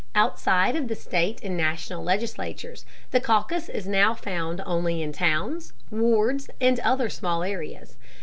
Outside of the state and National legislatures the caucus is now found only in towns, wards, and other small areas.